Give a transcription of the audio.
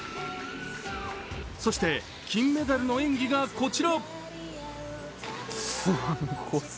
そして、金メダルの演技がこちら。